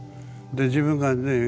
で自分がね